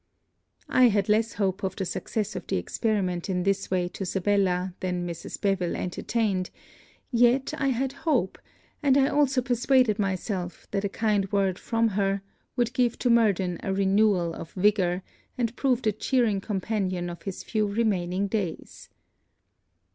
I had less hope of the success of the experiment in this way to Sibella than Mrs. Beville entertained; yet, I had hope and I also persuaded myself that a kind word from her would give to Murden a renewal of vigour, and prove the chearing companion of his few remaining days.